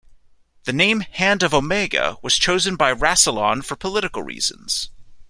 The name "Hand of Omega" was chosen by Rassilon for political reasons.